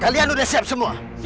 kalian udah siap semua